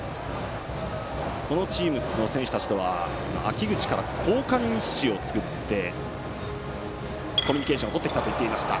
このチームの選手たちとは秋口から交換日誌を作ってコミュニケーションを取って来たと言っていました。